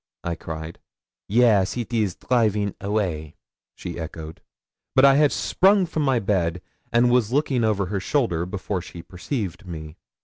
I cried. 'Yes, it is draiving away,' she echoed. But I had sprung from my bed, and was looking over her shoulder, before she perceived me.